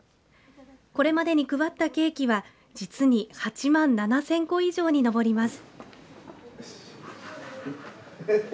これまでに配ったケーキは実に８万７０００個以上にのぼります。